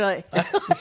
ハハハハ。